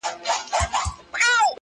جهنم ته ځه چي ځاي دي سي اورونه؛